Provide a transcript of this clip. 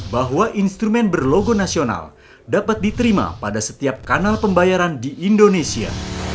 bahwa instrumen berlogo nasional dapat diterima pada setiap kanal pembayaran di indonesia